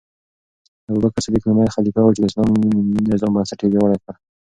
ابوبکر صدیق لومړی خلیفه و چې د اسلامي نظام بنسټ یې پیاوړی کړ.